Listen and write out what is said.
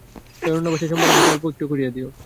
এই অরণ্যবাসের সম্বল আমাকে অল্প-একটু করিয়া দিয়ো।